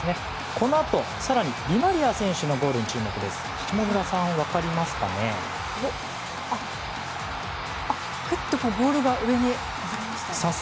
このあと更にディマリア選手のゴールに注目です。